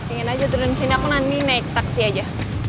ingin aja turun sini aku nanti naik taksi aja